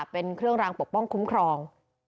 เป็นเครื่องรางปกป้องคุ้มครอง